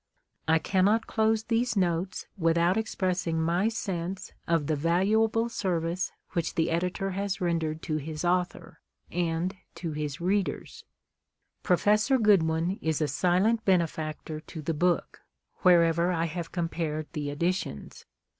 1 cannot close these notes without expressing my sense of the valuable service which the Editor has rendered to his Author and to INTRODUCTION. Χχίίί his readers. Professor Goodwin is a silent benefactor to the book, wherever I have compared the editions.